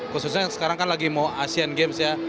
khususnya sekarang kan lagi mau asian games ya